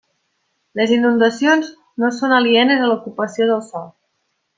Les inundacions no són alienes a l'ocupació del sòl.